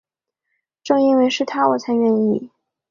正因为是他我才愿意